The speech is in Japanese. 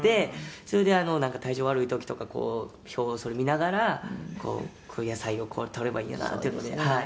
「それで体調悪い時とかこう表を見ながら野菜をこうとればいいんやなっていうので」